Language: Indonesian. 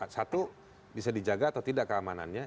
satu bisa dijaga atau tidak keamanannya